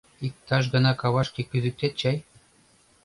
— Иктаж гана кавашке кӱзыктет чай?